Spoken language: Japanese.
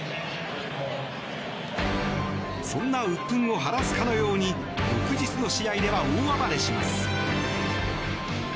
そんなうっぷんを晴らすかのように翌日の試合では大暴れします。